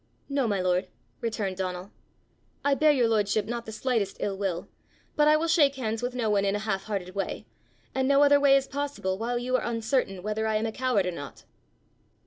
"No, my lord," returned Donal. "I bear your lordship not the slightest ill will, but I will shake hands with no one in a half hearted way, and no other way is possible while you are uncertain whether I am a coward or not."